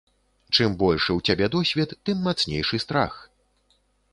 Чым большы ў цябе досвед, тым мацнейшы страх.